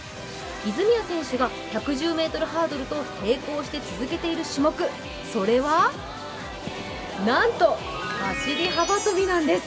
泉谷選手が１１０ｍハードルと並行して続けている種目、それはなんと走り幅跳びなんです。